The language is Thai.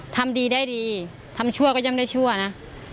ทำดีได้ดีทำชั่วก็ยังได้ชั่วนะ